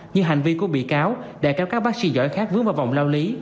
như hành vi của bị cáo để kéo các bác sĩ giỏi khác vướng vào vòng lao lý